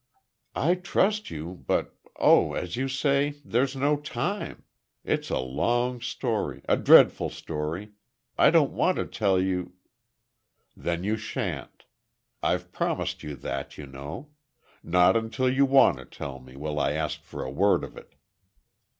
"I trust you—but—oh, as you say, there's no time. It's a long story—a dreadful story—I don't want to tell you—" "Then you shan't. I've promised you that, you know. Not until you want to tell me, will I ask for a word of it."